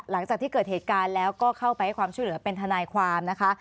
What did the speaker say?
หลังจากที่เกิดเหตุการณ์แล้วก็เข้าไปให้ความช่วยเหลือเป็นทนายความนะคะ